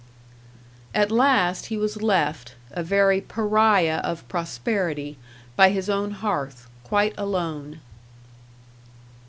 At last he was left, a very Pariah of prosperity, by his own hearth, quite alone.